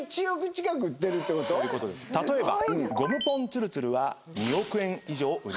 例えば。